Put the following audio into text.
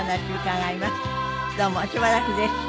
どうもしばらくでした。